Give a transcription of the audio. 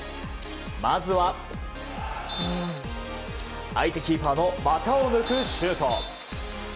まずは相手キーパーの股を抜くシュート。